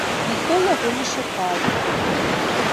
Ніхто яго не шукаў.